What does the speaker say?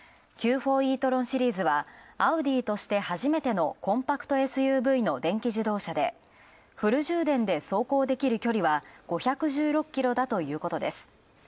Ｑ４イートロンシリーズはアウディとして始めてのコンパクトＳＵＶの電気自動車で、フル充電で走行できる距離は５１６キロだということです。